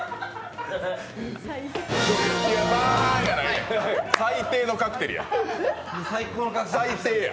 ババーンじゃないねん最低のカクテルや、最低や。